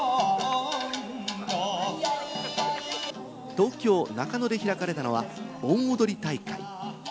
東京・中野で開かれたのは盆踊り大会。